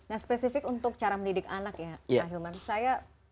nah spesifik untuk cara mendidik anak ya hilman